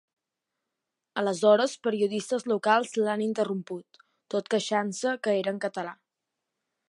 Aleshores periodistes locals l’han interromput, tot queixant-se que era en català.